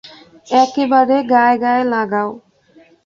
একেবারে গায়ে গায়ে লাগাও।